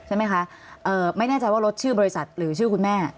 ใช่ไหมคะไม่แน่ใจว่ารถชื่อบริษัทหรือชื่อคุณแม่